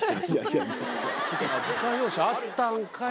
「自家用車あったんかい」